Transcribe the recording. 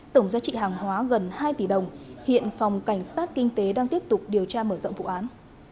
tổng giá trị hàng hóa gần hai tỷ đồng hiện phòng cảnh sát kinh tế đang tiếp tục điều tra mở rộng vụ án